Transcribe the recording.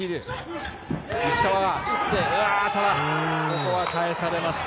ここは返されました。